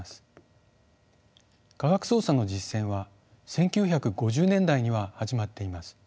科学捜査の実践は１９５０年代には始まっています。